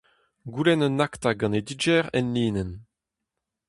Goulenn un akta ganedigezh enlinenn.